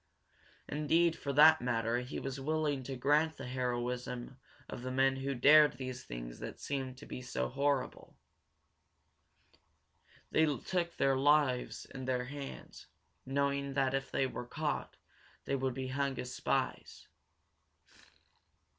Indeed, for that matter, he was willing to grant the heroism of the men who dared these things that seemed to him so horrible. They took their lives in their hands, knowing that if they were caught they would be hung as spies.